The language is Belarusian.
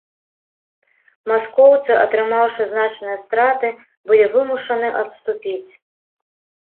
Маскоўцы, атрымаўшы значныя страты, былі вымушаны адступіць.